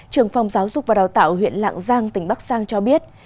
trường phòng giáo dục và đào tạo huyện lạng giang tỉnh bắc giang cho biết